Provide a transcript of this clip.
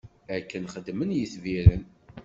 Akken xeddmen yetbiren.